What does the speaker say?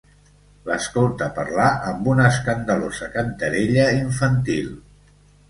L'escolta parlar amb una escandalosa cantarella infantil.